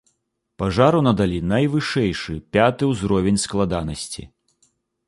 Пажару надалі найвышэйшы, пяты ўзровень складанасці.